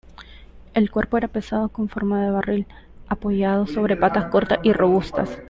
El cuerpo era pesado, con forma de barril, apoyado sobre patas cortas y robustas.